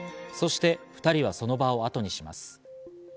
そして２人はその場をあとにします。